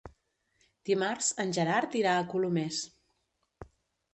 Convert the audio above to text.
Dimarts en Gerard irà a Colomers.